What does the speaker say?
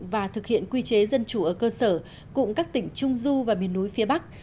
và thực hiện quy chế dân chủ ở cơ sở cùng các tỉnh trung du và miền núi phía bắc